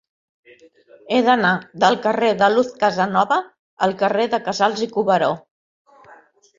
He d'anar del carrer de Luz Casanova al carrer de Casals i Cuberó.